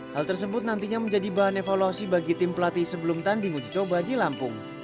hal tersebut nantinya menjadi bahan evaluasi bagi tim pelatih sebelum tanding uji coba di lampung